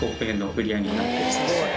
売り上げになってます。